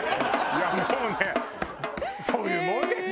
いやもうねそういうもんですよ。